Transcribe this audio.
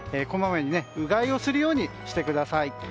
こまめにうがいをするようにしてください。